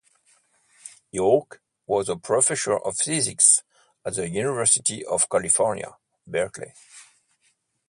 York was a professor of physics at the University of California, Berkeley.